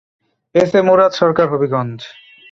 S A Murad Sarkar, Habiganj.